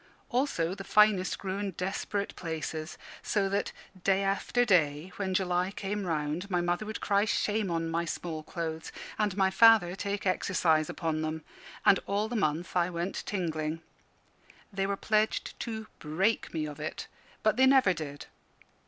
Also the finest grew in desperate places. So that, day after day, when July came round, my mother would cry shame on my small clothes, and my father take exercise upon them; and all the month I went tingling. They were pledged to "break me of it"; but they never did.